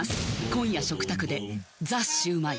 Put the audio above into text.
今夜食卓で「ザ★シュウマイ」